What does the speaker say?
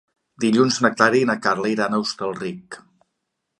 Dilluns na Clara i na Carla iran a Hostalric.